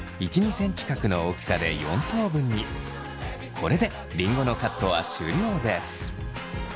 これでりんごのカットは終了です。